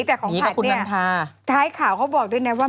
แต่ของผัดนี่แท้ข่าวเขาบอกด้วยนะว่า